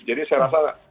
jadi saya rasa